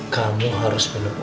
kamu harus menepuk